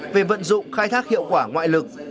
về vận dụng khai thác hiệu quả ngoại lực